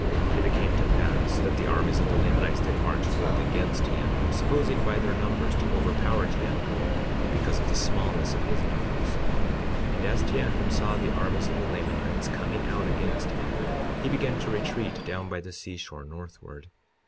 52:23 And it came to pass that the armies of the Lamanites did march forth against Teancum, supposing by their numbers to overpower Teancum because of the smallness of his numbers. And as Teancum saw the armies of the Lamanites coming out against him he began to retreat down by the seashore, northward.